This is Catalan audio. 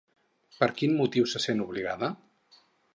Per quin motiu se sent obligada?